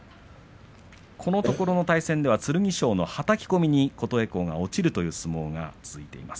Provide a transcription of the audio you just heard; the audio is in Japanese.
このところの対戦では剣翔のはたき込みに琴恵光が落ちるという相撲が続いています。